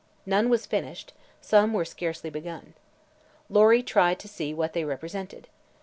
None was finished; some were scarcely begun. Lory tried to see what they represented.